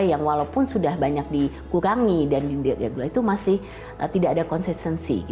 yang walaupun sudah banyak dikurangi dan di regulasi itu masih tidak ada consistency